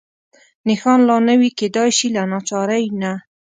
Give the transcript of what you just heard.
نښان لا نه وي، کېدای شي له ناچارۍ نه.